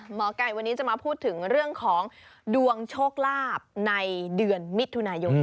หมอไก่วันนี้จะมาพูดถึงเรื่องของดวงโชคลาภในเดือนมิถุนายน